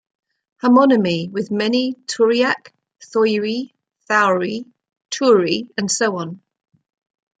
Homonymy with many Tauriac, Thoiry Thoury, Toury, and so on.